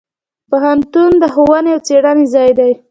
پوهنتون د ښوونې او څیړنې ځای دی.